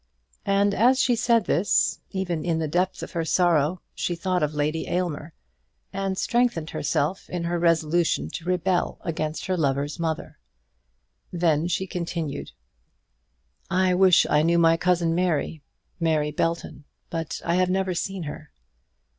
As she said this, even in the depth of her sorrow she thought of Lady Aylmer, and strengthened herself in her resolution to rebel against her lover's mother. Then she continued, "I wish I knew my cousin Mary, Mary Belton; but I have never seen her."